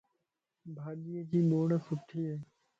ڀاڄيءَ جي ٻورسٺي ائي